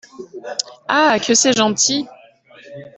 Ah ! que c’est gentil !